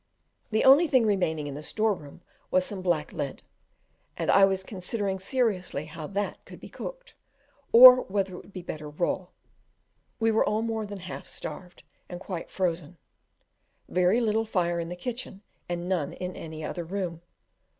The only thing remaining in the store room was some blacklead, and I was considering seriously how that could be cooked, or whether it would be better raw: we were all more than half starved, and quite frozen: very little fire in the kitchen, and none in any other room.